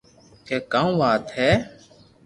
ڪي ڪاو وات ھي